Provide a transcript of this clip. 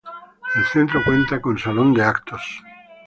El centro cuenta con salón de actos.